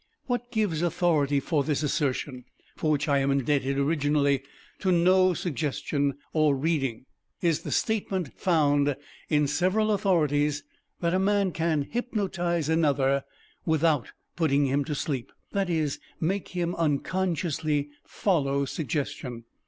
What gives authority for this assertion, for which I am indebted originally to no suggestion or reading, is the statement found in several authorities that a man can "hypnotize" another without putting him to sleep; that is, make him unconsciously follow suggestion.